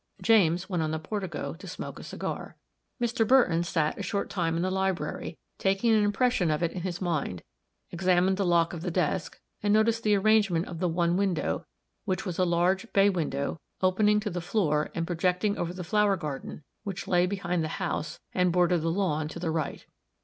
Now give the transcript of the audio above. James went on the portico to smoke a cigar. Mr. Burton sat a short time in the library, taking an impression of it on his mind, examined the lock of the desk, and noticed the arrangement of the one window, which was a large bay window opening to the floor and projecting over the flower garden which lay behind the house and bordered the lawn to the right.